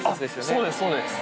そうです、そうです。